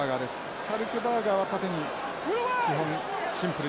スカルクバーガーは縦に基本シンプルに当たってきます。